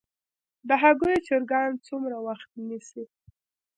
د هګیو چرګان څومره وخت نیسي؟